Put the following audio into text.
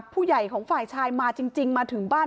ผู้ใหญ่ของฝ่ายชายมาจริงมาถึงบ้าน